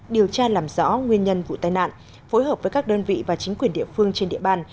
điều tra làm rõ nguyên nhân vụ tai nạn phối hợp với các đơn vị và chính quyền địa phương trên địa bàn